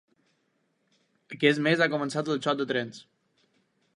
Aquest mes ha començat el xoc de trens.